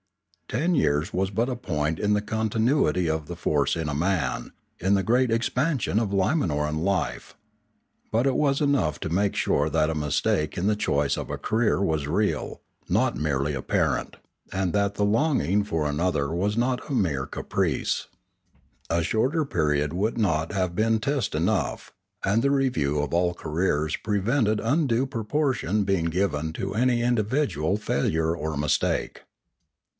Ten years was but a point in the continuity of the force in a man, in the great expansion of Limanoran life. But it was enough to make sure that a mistake in the choice of a career was real, not merely apparent, and that the 35 546 Limanora longing for another was not a mere caprice. A shorter period would not have been test enough; and the re view of all careers prevented undue proportion being given to any individual failure or mistake.